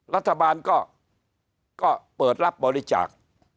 รัฐบาลก็เปิดรับบริจาค